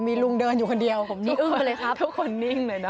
มีลุงเดินอยู่คนเดียวทุกคนนิ่งเลยนะ